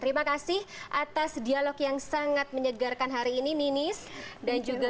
terima kasih atas dialog yang sangat menyegarkan hari ini ninis dan juga gustika serta mas hasan atas hasil survei yang sangat sangat baik